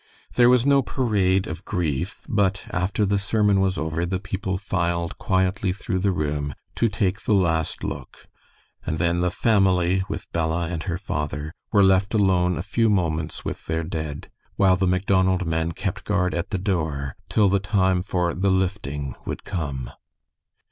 There was no parade of grief, but after the sermon was over the people filed quietly through the room to take the last look, and then the family, with Bella and her father, were left alone a few moments with their dead, while the Macdonald men kept guard at the door till the time for "the lifting" would come.